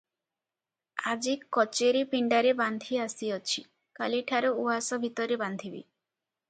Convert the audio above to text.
ଆଜି କଚେରୀ ପିଣ୍ତାରେ ବାନ୍ଧି ଆସିଅଛି, କାଲିଠାରୁ ଉଆସ ଭିତରେ ବାନ୍ଧିବି ।